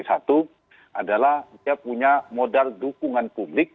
satu adalah dia punya modal dukungan publik